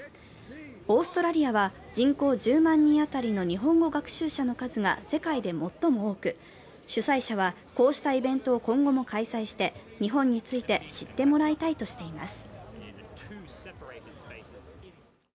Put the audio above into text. オーストラリアは人口１０万人当たりの日本語学習者の数が世界で最も多く、主催者はこうしたイベントを今後も開催して日本について知ってもらいたいとしています。